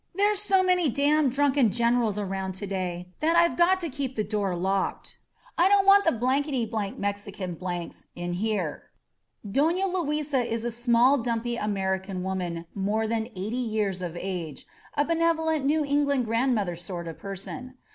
"There's so many damned drunken generals around to day that I've got to keep the door locked. I don't want the Mexican s in here !" Dofia Luisa is a small, diunpy American woman more than eighty years of age — a benevolent New England grandmother sort of person.